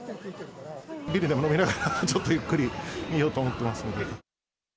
ビールでも飲みながら、ちょっとゆっくり見ようと思ってますんで。